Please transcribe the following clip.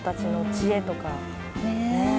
ねえ。